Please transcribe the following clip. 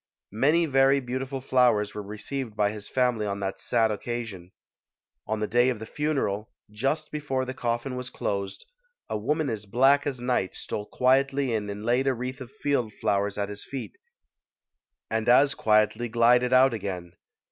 Many very beautiful flowers were re ceived by his family on that sad occasion. On the day of the funeral, just before the coffin was closed, a woman as black as night stole quietly in and laid a wreath of field flowers at his feet and as quietly glided out again.